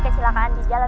mas alik dimana